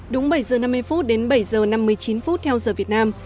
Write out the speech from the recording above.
đúng bảy giờ năm mươi phút đến bảy giờ năm mươi chín phút theo giờ việt nam